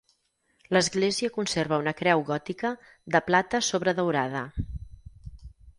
L'església conserva una creu gòtica de plata sobredaurada.